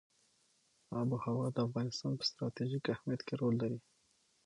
آب وهوا د افغانستان په ستراتیژیک اهمیت کې رول لري.